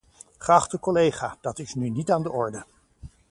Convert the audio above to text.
Geachte collega, dat is nu niet aan de orde.